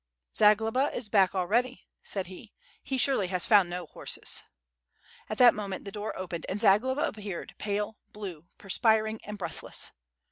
"Zagloba is back already," said he, "he surely has found no horses." At that moment the door opened, and Zagloba appeared pale, blue, perspiring and breathless.